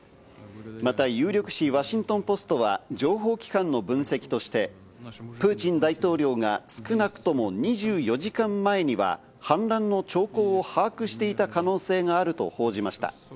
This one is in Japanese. また有力紙ワシントン・ポストは、情報機関の分析としてプーチン大統領が少なくとも２４時間前には反乱の兆候を把握していた可能性があると報じました。